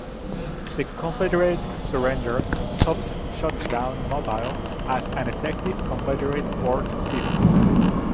The Confederate surrender helped shut down Mobile as an effective Confederate port city.